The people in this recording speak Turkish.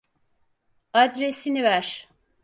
Adresini ver.